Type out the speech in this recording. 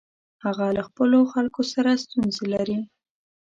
هغه له خپلو خلکو سره ستونزې لري.